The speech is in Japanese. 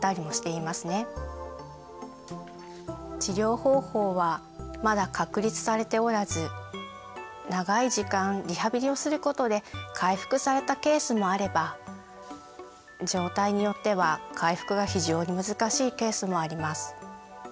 治療方法はまだ確立されておらず長い時間リハビリをすることで回復されたケースもあれば状態によっては回復が非常に難しいケースもあります。